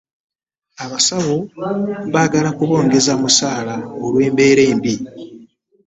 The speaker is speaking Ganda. Abasawo baagala kubongeza musaala olw'embeera embi.